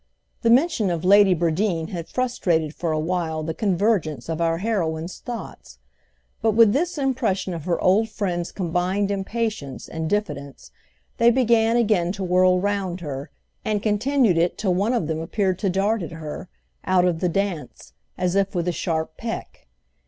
The mention of Lady Bradeen had frustrated for a while the convergence of our heroine's thoughts; but with this impression of her old friend's combined impatience and diffidence they began again to whirl round her, and continued it till one of them appeared to dart at her, out of the dance, as if with a sharp peck.